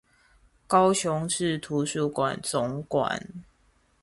高雄市圖書館總館